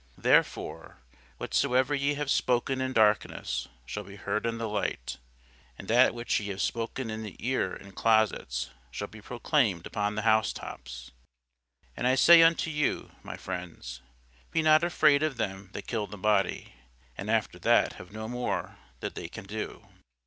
Therefore whatsoever ye have spoken in darkness shall be heard in the light; and that which ye have spoken in the ear in closets shall be proclaimed upon the housetops. And I say unto you my friends, Be not afraid of them that kill the body, and after that have no more that they can do.